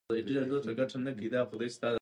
وچه لنده د بازۍ لوری ټاکي.